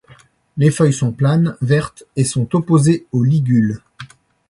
Les feuilles sont planes, vertes et sont opposées au ligule.